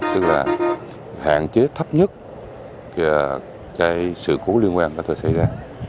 tức là hạn chế thấp nhất cái sự cố liên quan có thể xảy ra